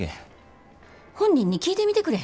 本人に聞いてみてくれへん？